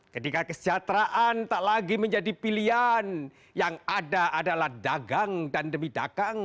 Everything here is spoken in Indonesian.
ketika kesejahteraan tak lagi menjadi pilihan yang ada adalah dagang dan demi dagang